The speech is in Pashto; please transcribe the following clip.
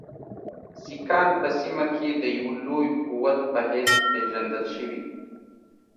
سیکهان په سیمه کې د یوه لوی قوت په حیث پېژندل شوي.